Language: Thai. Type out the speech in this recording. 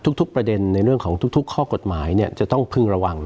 ทุกประเด็นในเรื่องของทุกข้อกฎหมายจะต้องพึงระวัง